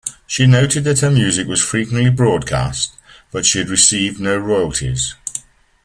She noted that her music was frequently broadcast, but she had received no royalties.